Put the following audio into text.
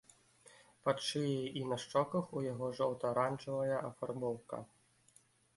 Пад шыяй і на шчоках у яго жоўта-аранжавая афарбоўка.